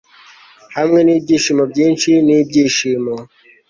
hamwe n'ibyishimo byinshi n'ibyishimo